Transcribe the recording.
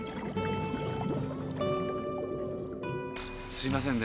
すいませんね。